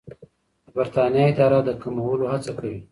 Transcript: د بریتانیا اداره د کمولو هڅه کوي.